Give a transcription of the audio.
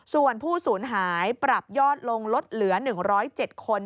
ส่วนผู้สูญหายปรับยอดลงลดเหลือ๑๐๗คน